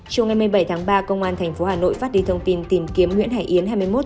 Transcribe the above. trong ngày một mươi bảy tháng ba công an thành phố hà nội phát đi thông tin tìm kiếm nguyễn hải yến